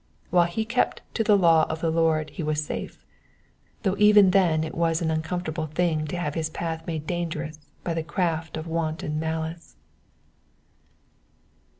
While kept to the law of the Lord he was safe, though even then it was an uncomtortable thing to have his path made dangerous by the craft of wanton malice.